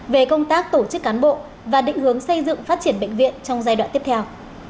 về công tác tổ chức cán bộ và định hướng xây dựng phát triển bệnh viện trong giai đoạn tiếp theo